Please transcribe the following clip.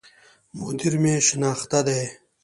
مدير مي شناخته دی